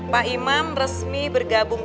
pak imam resmi bergabung